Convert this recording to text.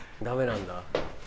ダメなんだ。